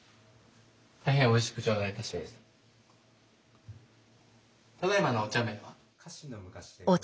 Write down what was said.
大変おいしく頂戴いたしました。